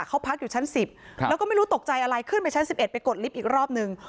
เขาพักอยู่ชั้นสิบครับแล้วก็ไม่รู้ตกใจอะไรขึ้นไปชั้นสิบเอ็ดไปกดลิฟต์อีกรอบหนึ่ง